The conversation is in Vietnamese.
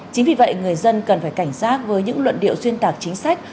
chính vì vậy người dân cần phải cảnh giác với những luận điệu xuyên tạc chính sách